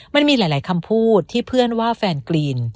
มันมีหลายคำพูดที่เพื่อนว่าแฟนกรีน